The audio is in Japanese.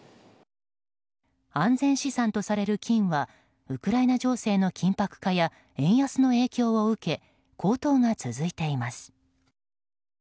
安全資産とされる金はウクライナ情勢の緊迫化や円安の影響を受け高騰が続いています。